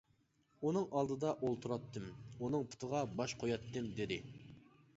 ئۇنىڭ ئالدىدا ئولتۇراتتىم، ئۇنىڭ پۇتىغا باش قوياتتىم، -دېدى.